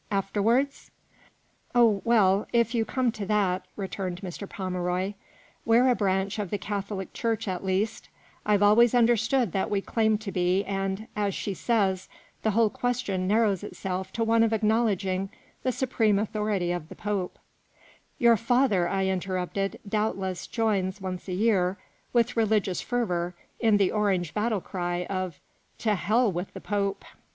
After wards ?"" Oh, well, if you come to that/' returned Mr. Pomeroy, " we're a branch of the Catholic Church at least, I've always understood that we claimed to be and, as she says, the whole question narrows itself to one of acknowledging the supreme authority of the Pope "" Your father," I interrupted, "" doubtless joins once a year, with religious fervour, in the Orange battle cry of * To Hell with the Pope!'"